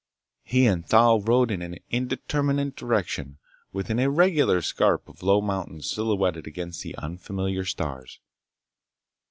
He and Thal rode in an indeterminate direction with an irregular scarp of low mountains silhouetted against the unfamiliar stars.